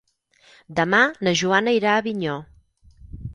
Demà na Joana irà a Avinyó.